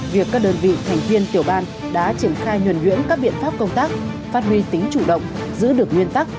việc các đơn vị thành viên tiểu ban đã triển khai nhuẩn nhuyễn các biện pháp công tác phát huy tính chủ động giữ được nguyên tắc